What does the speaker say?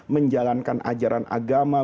menjalankan ajaran agama